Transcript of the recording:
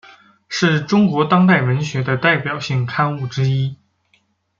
是中国当代文学的代表性刊物之一。